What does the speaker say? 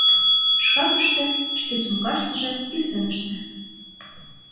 Шкапыште, шке сумкаштыже, кӱсеныште.